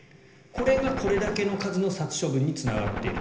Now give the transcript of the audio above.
これがこれだけの数の殺処分につながっている。